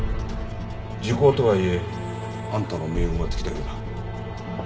時効とはいえあんたの命運は尽きたようだ。